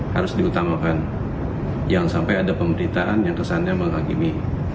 harus diutamakan jangan sampai ada pemberitaan yang kesannya menghakimi